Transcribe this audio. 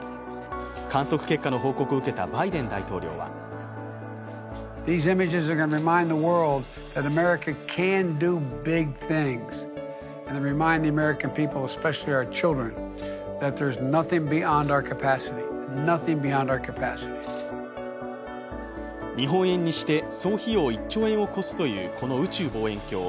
観測結果の報告を受けたバイデン大統領は日本円にして総費用１兆円を超すという、この宇宙望遠鏡。